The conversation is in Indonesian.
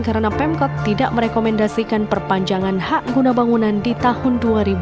karena pemkot tidak merekomendasikan perpanjangan hak guna bangunan di tahun dua ribu enam